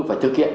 phải thực hiện